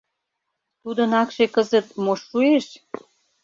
Тудын акше кызыт мош шуэш?»